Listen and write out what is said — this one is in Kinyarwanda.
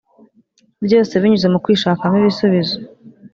byose binyuze mu kwishakamo ibisubizo